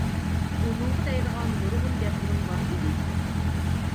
ئۇنىڭغا دەيدىغان نۇرغۇن گەپلىرىم بار ئىدى.